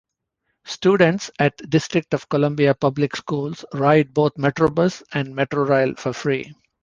Students at District of Columbia public schools ride both Metrobus and Metrorail for free.